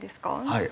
はい。